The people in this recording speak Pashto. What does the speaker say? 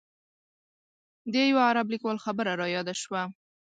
د یوه عرب لیکوال خبره رایاده شوه.